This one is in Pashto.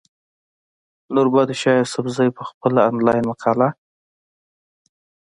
نوربادشاه يوسفزۍ پۀ خپله انلاين مقاله